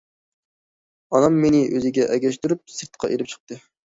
ئانام مېنى ئۆزىگە ئەگەشتۈرۈپ سىرتقا ئېلىپ چىقتى.